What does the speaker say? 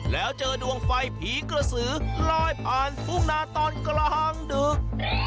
แล้วเจอดวงไฟผีกระสือลอยผ่านทุ่งนาตอนกลางดึก